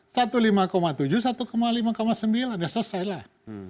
satu lima tujuh satu lima sembilan sudah selesailah